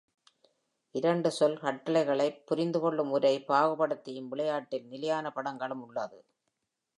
இரண்டு சொல் கட்டளைகளைப் புரிந்துகொள்ளும் உரை பாகுபடுத்தியும் விளையாட்டில் நிலையான படங்களும் உள்ளது.